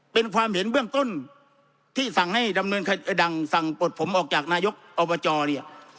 เป็นความเห็นเบื้องต้นที่สั่งให้ดังสั่งปลดผมออกจากนายกอบจเนี่ย